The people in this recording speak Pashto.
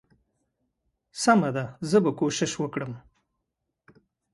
سمه ده زه به کوشش وکړم.